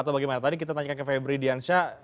atau bagaimana tadi kita tanyakan ke febri diansyah